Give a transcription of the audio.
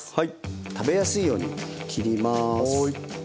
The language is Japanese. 食べやすいように切ります。